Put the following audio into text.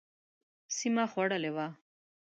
سیمه خوړلې وه.